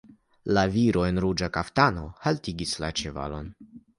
La viro en ruĝa kaftano haltigis la ĉevalon.